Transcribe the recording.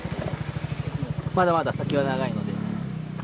まだまだ先は長いので。